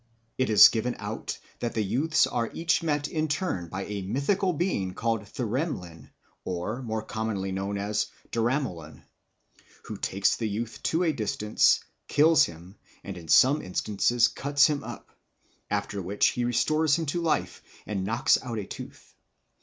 It is given out that the youths are each met in turn by a mythical being, called Thuremlin (more commonly known as Daramulun) who takes the youth to a distance, kills him, and in some instances cuts him up, after which he restores him to life and knocks out a tooth.